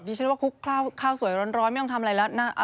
ฉันว่าคลุกข้าวสวยร้อนไม่ต้องทำอะไรแล้วนะ